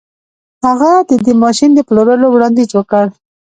هغه د دې ماشين د پلورلو وړانديز وکړ.